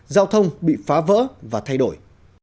giao thông bị phá vỡ và thay đổi